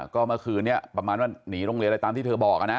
ก็เมื่อคืนนี้ประมาณว่าหนีโรงเรียนอะไรตามที่เธอบอกนะ